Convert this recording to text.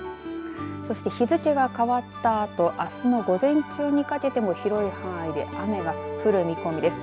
そして日付が変わったあとあすの午前中にかけても広い範囲で雨が降る見込みです。